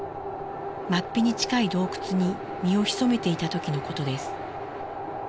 マッピに近い洞窟に身を潜めていた時のことです。